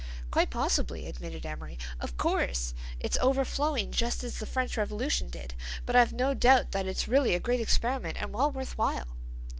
"Quite possibly," admitted Amory. "Of course, it's overflowing just as the French Revolution did, but I've no doubt that it's really a great experiment and well worth while."